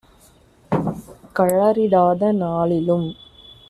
கழறிடாத நாளிலும்